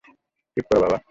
চুপ কর বাবা।